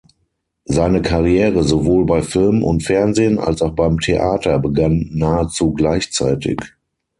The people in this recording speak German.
Seine Karriere sowohl bei Film und Fernsehen als auch beim Theater begann nahezu gleichzeitig.